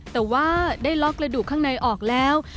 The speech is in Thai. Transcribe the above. แต่ว่าได้ล็อกกระดูกข้างในออกแล้ว